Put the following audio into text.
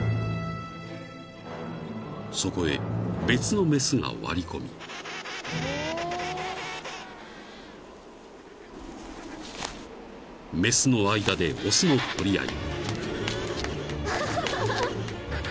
［そこへ別の雌が割り込み］［雌の間で雄の取り合い］